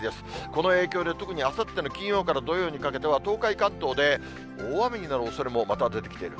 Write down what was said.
この影響で特にあさっての金曜から土曜にかけては、東海、関東で大雨になるおそれもまた出てきている。